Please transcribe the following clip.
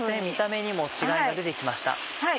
見た目にも違いが出て来ました。